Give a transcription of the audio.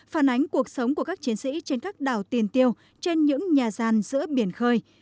phản ánh cuộc sống của các chiến sĩ trên các đảo tiền tiêu trên những nhà gian giữa biển khơi